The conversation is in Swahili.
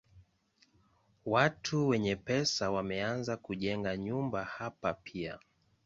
Watu wenye pesa wameanza kujenga nyumba hapa pia.